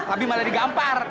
abi malah digampar